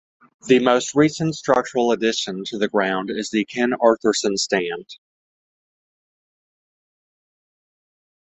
The most recent structural addition to the ground is the Ken Arthurson Stand.